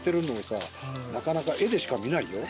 なかなか絵でしか見ないよ。